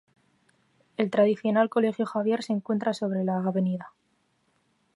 El tradicional Colegio Javier se encuentra sobre la Av.